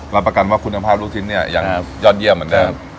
รับประกันว่าคุณภาพลูกชิ้นเนี่ยยังยอดเยี่ยมเหมือนเดิม